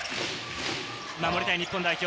守りたい日本代表。